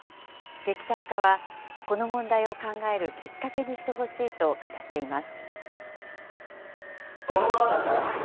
劇作家は、この問題を考えるきっかけにしてほしいと語っています。